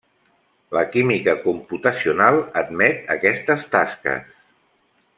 La química computacional admet aquestes tasques.